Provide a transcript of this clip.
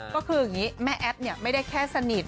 ก็คือแม่แอปเนี่ยไม่ได้แค่สนิท